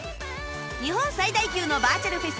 日本最大級のバーチャルフェス